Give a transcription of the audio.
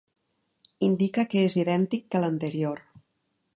Indica que és idèntic que l'anterior.